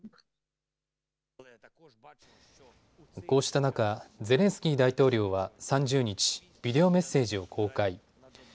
こうした中、ゼレンスキー大統領は３０日、ビデオメッセージを公開。